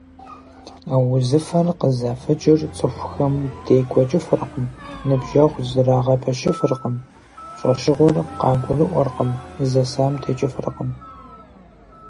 А узыфэр къызэфыкӏыр цӀыхухэм декӀуэкӀыфыркъым, ныбжьэгъу зэрагъэпэщыфыркъым, щӀэщыгъуэр къагурыӀуэркъым, зэсам текӀыфыркъым.